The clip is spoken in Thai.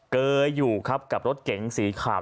เกยอยู่ครับกับรถเก๋งสีขาว